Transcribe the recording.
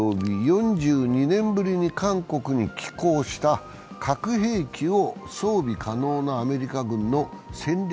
４２年ぶりに韓国に寄港した核兵器を装備可能なアメリカ軍の戦略